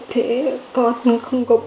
thế con không có mẹ